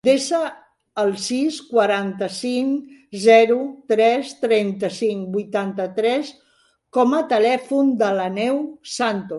Desa el sis, quaranta-cinc, zero, tres, trenta-cinc, vuitanta-tres com a telèfon de l'Àneu Santos.